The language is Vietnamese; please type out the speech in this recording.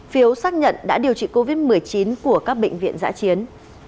phiếu xác nhận đã điều trị covid một mươi chín của các bệnh viện giã chiến